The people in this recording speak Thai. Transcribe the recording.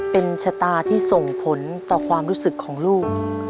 เป็นชะตาที่ส่งผลต่อความรู้สึกของลูก